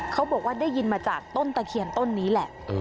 เขาบอกว่าได้ยินมาจากต้นตะเคียนต้นนี้แหละ